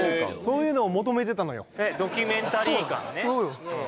あら・へえドキュメンタリー感ね